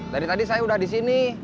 dari tadi saya sudah di sini